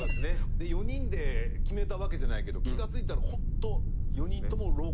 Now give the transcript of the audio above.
４人で決めたわけじゃないけど気が付いたらホント４人とも廊下で着替えてたもんね。